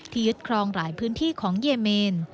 ยึดครองหลายพื้นที่ของเยเมน